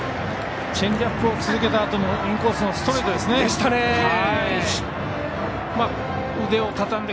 チェンジアップを引きつけたあとのインコースのストレートでした。